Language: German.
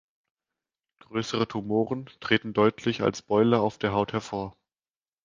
Größere Tumoren treten deutlich als Beule auf der Haut hervor.